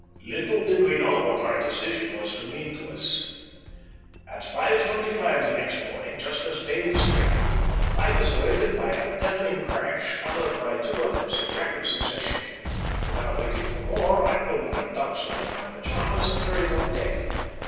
Little did we know what our decision was to mean to us. "At 5:25 the next morning, just as day was breaking, I was awakened by a deafening crash, followed by two others in rapid succession. Without waiting for more, I pulled my ducks over my pajamas and hurried on deck.